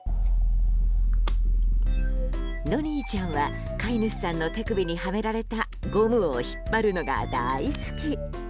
ロニーちゃんは飼い主さんの手首にはめられたゴムを引っ張るのが大好き。